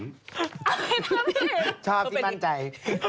ไม่นะชอบที่มั่นใจ